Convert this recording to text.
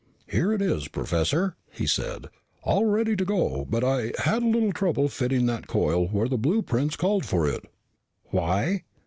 "Here it is, Professor," he said. "All ready to go. But I had a little trouble fitting that coil where the blueprints called for it." "Why?"